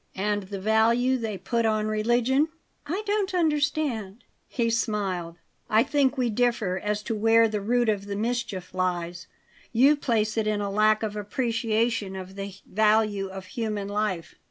"And the value they put on religion?" "I don't understand." He smiled. "I think we differ as to where the root of the mischief lies. You place it in a lack of appreciation of the value of human life."